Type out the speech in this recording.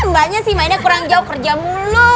mbaknya sih mainnya kurang jauh kerja mulu